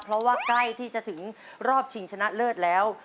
เพราะว่าใกล้ที่จะถึงรอบชิงชนะเลิศแล้ว